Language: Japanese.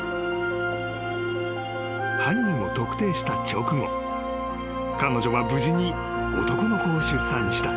［犯人を特定した直後彼女は無事に男の子を出産した］